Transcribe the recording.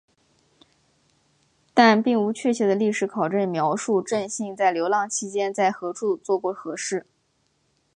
但并无确切的历史考证描述正信在流浪期间在何处做过何事。